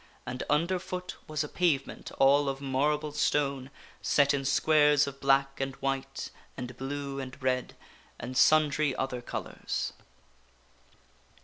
And under foot was a pavement all of marble stone, set in squares of black and white, and blue and red, and sundry other colors.